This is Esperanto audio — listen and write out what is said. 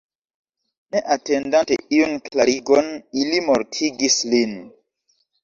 Ne atendante iun klarigon ili mortigis lin.